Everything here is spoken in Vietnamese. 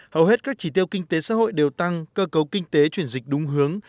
hầu hết các chỉ tiêu kinh tế xã hội đều tăng cơ cấu kinh tế chuyển dịch đúng hướng